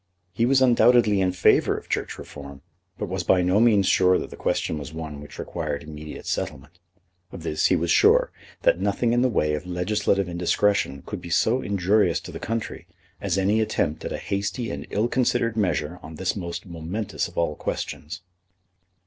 He was undoubtedly in favour of Church reform, but was by no means sure that the question was one which required immediate settlement. Of this he was sure, that nothing in the way of legislative indiscretion could be so injurious to the country, as any attempt at a hasty and ill considered measure on this most momentous of all questions.